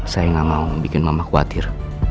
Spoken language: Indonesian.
saya tidak mau membuat mama khawatir